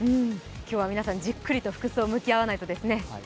今日は皆さん、じっくりと服装と向き合わないとですね。